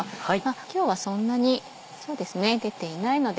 今日はそんなにそうですね出ていないので。